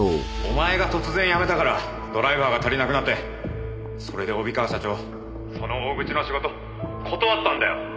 お前が突然辞めたからドライバーが足りなくなってそれで帯川社長その大口の仕事断ったんだよ。